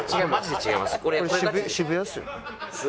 違います。